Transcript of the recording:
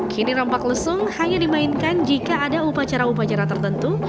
kini rampak lesung hanya dimainkan jika ada upacara upacara tertentu